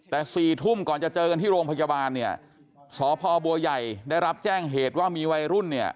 แต่๔ทุ่มก่อนจะเจอกันที่โรงพยาบาลเนี่ยสพบัวใหญ่ได้รับแจ้งเหตุว่ามีวัยรุ่นเนี่ย